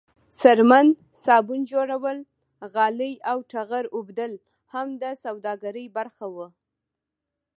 څرمن، صابون جوړول، غالۍ او ټغر اوبدل هم د سوداګرۍ برخه وه.